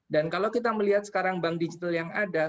dan kalau kita melihat sekarang bank digital yang ada